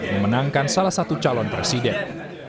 yang menangkan salah satu calon presiden